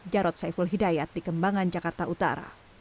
jarod saiful hidayat di kembangan jakarta utara